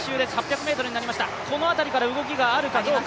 この辺りから動きがあるかどうか。